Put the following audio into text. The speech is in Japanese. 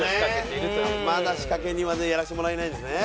まだ仕掛け人はやらせてもらえないんですね。